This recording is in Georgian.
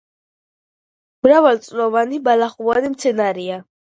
მრავალწლოვანი ბალახოვანი მცენარეა.